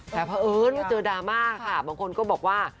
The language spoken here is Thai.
แต่พอเอิ้นเจอดราม่าค่ะบางคนก็บอกว่า